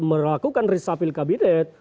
melakukan risapil kabinet